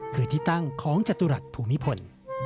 คือที่ตั้งของจตุรัสภูมิพล